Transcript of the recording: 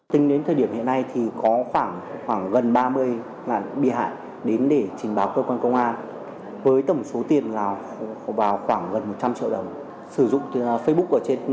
trên thực tế thủ đoạn lừa đảo này đã xảy ra rất nhiều lần và được công an cảnh báo tổng số tiền lừa đảo của đối tượng là gần một trăm linh triệu đồng